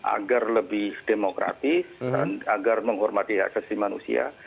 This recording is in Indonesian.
agar lebih demokratis agar menghormati hak sisi manusia